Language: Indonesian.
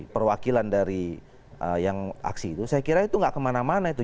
perwakilan dari yang aksi itu saya kira itu nggak kemana mana itu